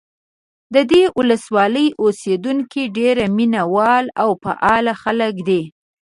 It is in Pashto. د دې ولسوالۍ اوسېدونکي ډېر مینه وال او فعال خلک دي.